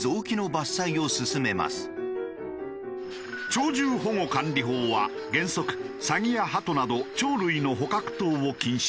鳥獣保護管理法は原則サギやハトなど鳥類の捕獲等を禁止している。